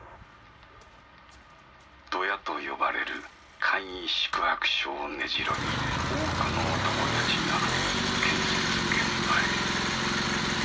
「ドヤ」と呼ばれる簡易宿泊所を根城に多くの男たちが建設現場へ。